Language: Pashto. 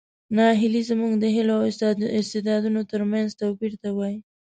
ناهیلي زموږ د هیلو او استعدادونو ترمنځ توپیر ته وایي.